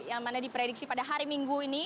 yang mana diprediksi pada hari minggu ini